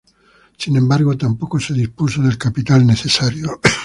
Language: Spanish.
Sin embargo, tampoco se dispuso del capital necesario.